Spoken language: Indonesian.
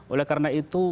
oleh karena itu